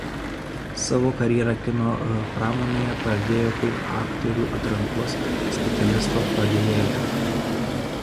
Savo karjerą kino pramonėje pradėjo kaip aktorių atrankos specialisto padėjėja.